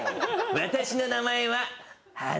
私の名前は花沢。